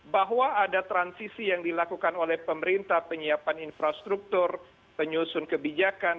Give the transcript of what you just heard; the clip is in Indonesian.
bahwa ada transisi yang dilakukan oleh pemerintah penyiapan infrastruktur penyusun kebijakan